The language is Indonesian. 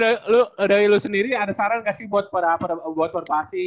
tapi dong dari lu sendiri ada saran gak sih buat perbasi